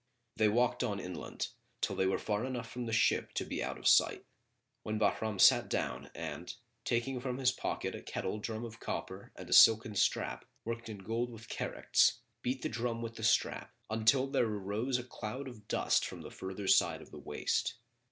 They walked on inland, till they were far enough from the ship to be out of sight, when Bahram sat down and taking from his pocket a kettle drum[FN#30] of copper and a silken strap, worked in gold with characts, beat the drum with the strap, until there arose a cloud of dust from the further side of the waste.